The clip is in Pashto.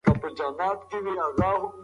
لښتې په خپله کيږدۍ کې د باران غږ ته غوږ شو.